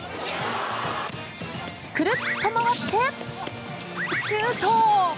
クルッと回ってシュート！